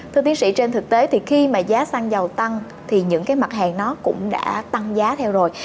thưa tiến sĩ trên thực tế thì khi mà giá xăng dầu tăng thì những cái mặt hàng nó cũng đã tăng giá theo rồi